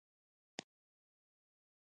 • بادام د هاضمې سیسټم لپاره ګټور دي.